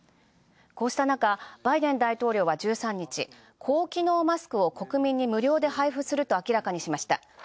こうしたなかバイデン大統領は１３日、高機能マスクを無料で配布することを明らかにしました。